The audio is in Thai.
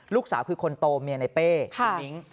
ลูก๓คือคนโตเมียในเป้นิ้ง